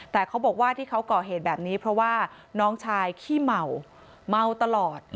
แต่เขาบอกว่าที่เขาก่อเหตุแบบนี้เพราะว่าน้องชายขี้เมาเมาตลอด